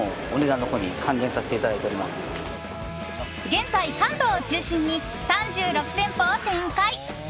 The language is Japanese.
現在、関東を中心に３６店舗を展開。